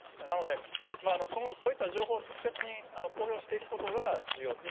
なので、そういった情報を適切に公表していくことが重要。